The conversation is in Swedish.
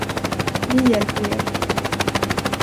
Vi hjälper er.